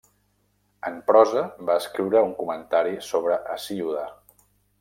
En prosa va escriure un comentari sobre Hesíode.